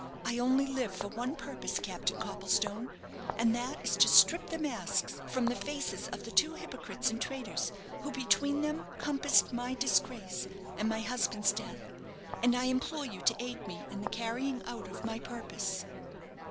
"I only live for one purpose, Captain Copplestone, and that is to strip the masks from the faces of the two hypocrites and traitors, who, between them, compassed my disgrace and my husband's death; and I implore you to aid me in the carrying out of my purpose."